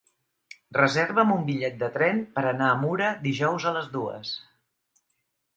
Reserva'm un bitllet de tren per anar a Mura dijous a les dues.